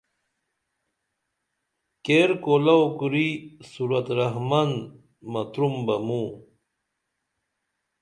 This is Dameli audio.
کیر کولو کُری سورت رحمن متروم بہ موں